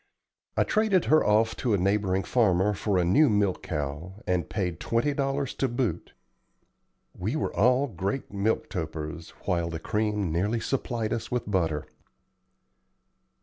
I traded her off to a neighboring farmer for a new milch cow, and paid twenty dollars to boot. We were all great milk topers, while the cream nearly supplied us with butter.